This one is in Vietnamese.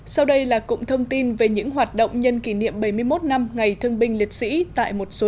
sau đây là cụm thông tin về những hoạt động nhân kỷ niệm bảy mươi một năm ngày thương binh liệt sĩ tại một số